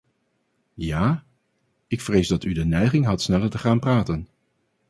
Ja, ik vrees dat u de neiging had sneller te gaan praten.